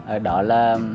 ở đó là